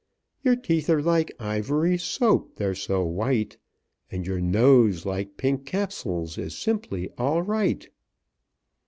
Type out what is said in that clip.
"Your teeth are like Ivory Soap, they're so white, And your nose, like Pink Capsules, Is simply all right!"